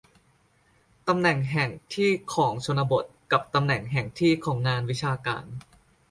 ตำแหน่งแห่งที่ของชนบท กับตำแหน่งแห่งที่ของงานวิชาการ